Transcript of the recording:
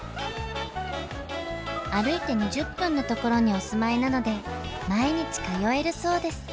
歩いて２０分の所にお住まいなので毎日通えるそうです。